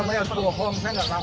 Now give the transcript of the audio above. saya nggak tahu